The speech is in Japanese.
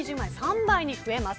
３倍に増えます。